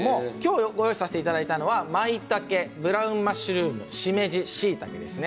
ご用意したのは、まいたけブラウンマッシュルームしめじ、しいたけですね。